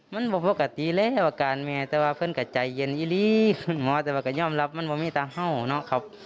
มันบอกปกติแล้วอาการแม่แต่ว่าเพื่อนก็ใจเย็นอีลีคุณหมอแต่ว่าก็ยอมรับมันว่ามีตาเห่าเนาะ